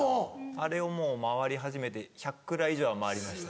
あれを回り始めて１００蔵以上は回りました。